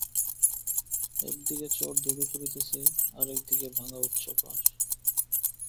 এক দিকে চর ধুধু করিতেছে, আর-এক দিকে ভাঙা উচ্চ পাড়।